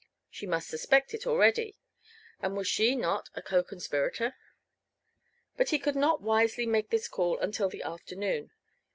She must suspect it already; and was she not a co conspirator? But he could not wisely make this call until the afternoon.